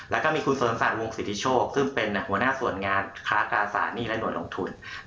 แล้วก็มีคุณเสริมศักดิ์วงสิทธิโชคซึ่งเป็นหัวหน้าส่วนงานค้ากาสารหนี้และหน่วยลงทุน